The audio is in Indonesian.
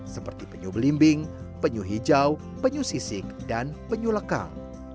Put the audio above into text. seperti penyu belimbing penyu hijau penyu sisik dan penyu lekang